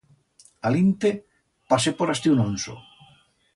A l'inte pasé por astí un onso.